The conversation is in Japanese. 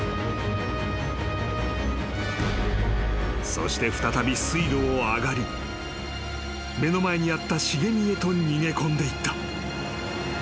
［そして再び水路を上がり目の前にあった茂みへと逃げ込んでいった］